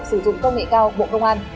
sử dụng công nghệ cao bộ công an